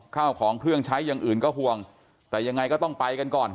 ข้าวของเครื่องใช้อย่างอื่นก็ห่วงแต่ยังไงก็ต้องไปกันก่อน